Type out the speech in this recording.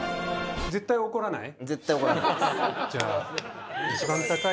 絶対怒らないです。